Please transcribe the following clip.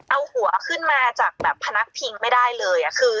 เอาหัวขึ้นมาจากแบบพนักพิงไม่ได้เลย